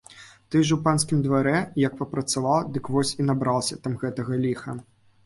Ты ж у панскім дварэ як папрацавала, дык вось і набралася там гэтага ліха.